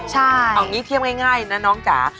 ใช่เอางี้เทียบง่ายนะน้องจ๋า